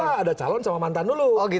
ada dua ada calon sama mantan dulu